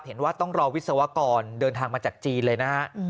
ต้องรอวิศวกรเดินทางมาจากจีนเลยนะฮะ